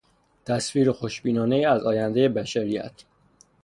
تصویر خوشبینانهای از آیندهی بشریت